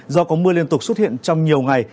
do có mưa liên tục xuất hiện trong nhiều ngày